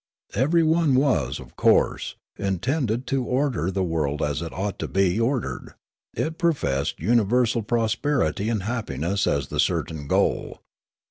Every one was, of course, intended to order the world as it ought to be ordered ; it professed universal prosperity and happi ness as the certain goal.